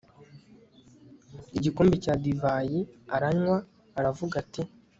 Igikombe cya divayi aranywa aravuga ati